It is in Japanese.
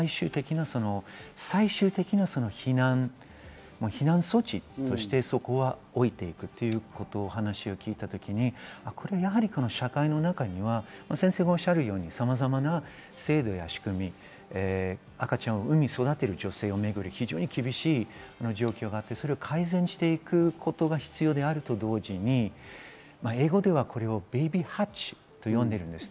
最終的な避難措置として、そこは置いていくというお話を聞いたときに、やはり社会の中には先生がおっしゃるように、さまざまな制度や仕組み、赤ちゃんを産み育てる女性をめぐる非常に厳しい状況があって、それを改善していくことが必要であると同時に、英語ではこれをベイビーハッチと呼んでいます。